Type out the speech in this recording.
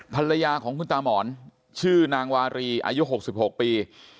ภรรยาของคุณตามหมอนชื่อนางวารีอายุ๖๖ปี